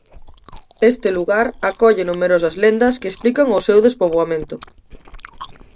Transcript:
Este lugar acolle numerosas lendas que explican o seu despoboamento.